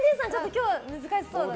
今日は難しそうだな。